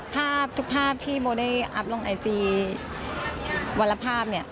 ภาพทุกภาพที่โมได้อัพลงไอจีวรภาพเนี่ย